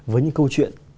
với những câu chuyện